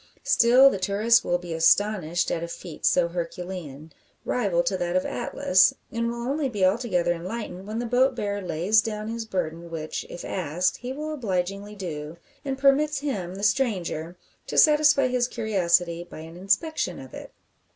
Still the tourist will be astonished at a feat so herculean rival to that of Atlas and will only be altogether enlightened when the boat bearer lays down his burden which, if asked, he will obligingly do and permits him, the stranger, to satisfy his curiosity by an inspection of it.